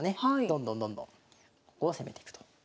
どんどんどんどんここを攻めていくと。